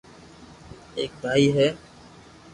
ايڪ ڀائي ھي